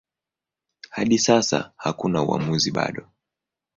Hadi sasa hakuna uamuzi bado.